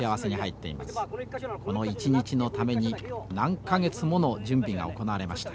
この一日のために何か月もの準備が行われました。